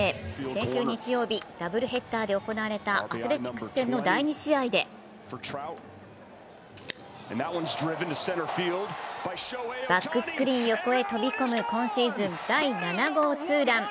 先週日曜日、ダブルヘッダーで行われたアスレチックス戦の第２試合でバックスクリーン横へ飛び込む今シーズン７号ツーラン。